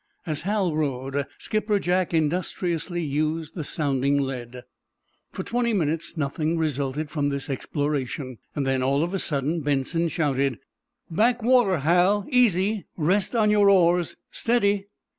As Hal rowed, Skipper Jack industriously used the sounding lead. For twenty minutes nothing resulted from this exploration. Then, all of a sudden, Benson shouted: "Back water, Hal! Easy; rest on your oars. Steady!"